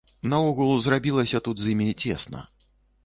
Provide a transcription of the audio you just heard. Наогул зрабілася тут з імі цесна.